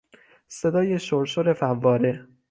صدای شرشر فواره